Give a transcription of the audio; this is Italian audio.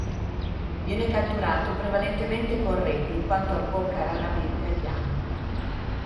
Viene catturato prevalentemente con reti in quanto abbocca raramente agli ami.